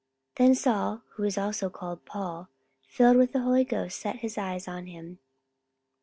44:013:009 Then Saul, (who also is called Paul,) filled with the Holy Ghost, set his eyes on him.